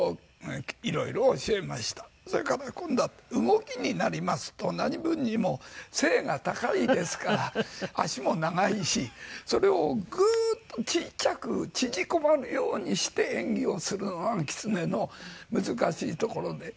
それから今度は動きになりますと何分にも背が高いですから足も長いしそれをグーッと小さく縮こまるようにして演技をするのが狐の難しいところで。